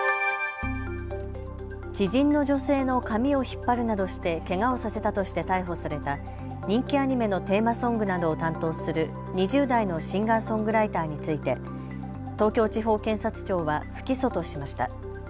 知人の女性の髪を引っ張るなどしてけがをさせたとして逮捕された人気アニメのテーマソングなどを担当する２０代のシンガーソングライターについて東京地方検察庁は不起訴としました。